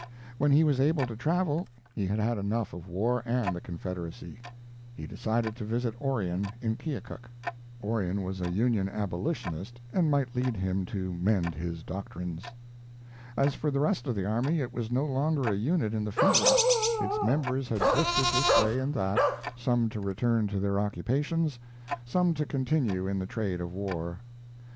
When he was able to travel, he had had enough of war and the Confederacy. He decided to visit Orion in Keokuk. Orion was a Union abolitionist and might lead him to mend his doctrines. As for the rest of the army, it was no longer a unit in the field. Its members had drifted this way and that, some to return to their occupations, some to continue in the trade of war.